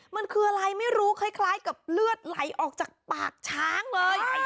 มันคืออะไรไม่รู้คล้ายกับเลือดไหลออกจากปากช้างเลย